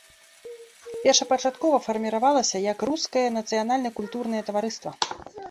Першапачаткова фарміравалася як рускае нацыянальна-культурнае таварыства.